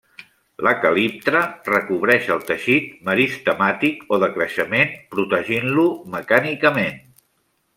La caliptra recobreix el teixit meristemàtic o de creixement protegint-lo mecànicament.